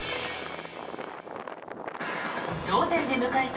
同点で迎えた